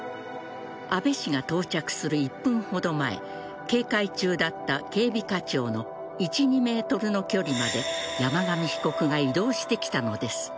安倍氏が到着する１分ほど前警戒中だった警備課長の１２ｍの距離まで山上被告が移動してきたのです。